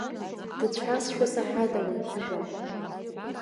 Дыцәҳазшәа саҳаит ауаҩхжәа.